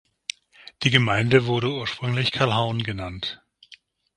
Die Gemeinde wurde ursprünglich Calhoun genannt.